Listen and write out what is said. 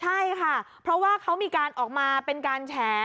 ใช่ค่ะเพราะว่าเขามีการออกมาเป็นการแฉ